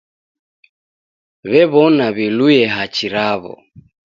W'ew'ona w'iluye hachi raw'o.